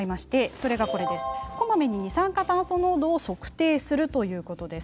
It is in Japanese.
それがこまめに二酸化炭素濃度を測定するということです。